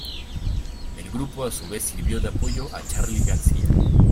El grupo a su vez sirvió de apoyo a Charly García.